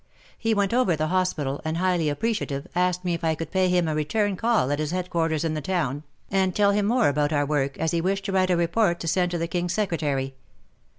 He went over the hospital, and, highly appreciative, asked me if I would pay him a return call at his headquarters in the town, and tell him more about our work, as he wished to write a report to send to the King's Secretary.